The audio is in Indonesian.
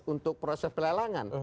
untuk proses pelelangan